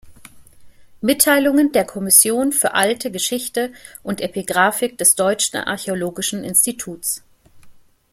Mitteilungen der Kommission für Alte Geschichte und Epigraphik des Deutschen Archäologischen Instituts".